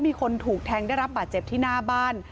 มีคนถูกแทงได้รับบาดเจ็บที่หน้าบ้าน